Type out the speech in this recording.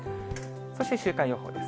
そして週間予報です。